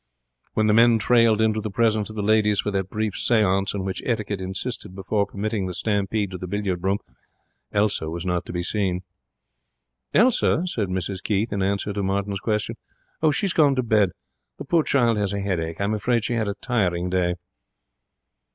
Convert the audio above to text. When the men trailed into the presence of the ladies for that brief seance on which etiquette insisted before permitting the stampede to the billiard room, Elsa was not to be seen. 'Elsa?' said Mrs Keith in answer to Martin's question. 'She has gone to bed. The poor child has a headache. I am afraid she had a tiring day.'